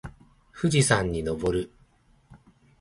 富士山にのぼる。